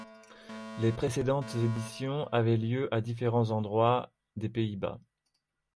Les précédentes éditions avaient lieu à différents endroits des Pays-Bas.